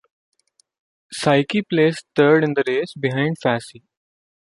Saiki placed third in the race behind Fasi.